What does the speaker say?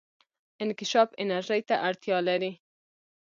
انکشاف انرژي ته اړتیا لري.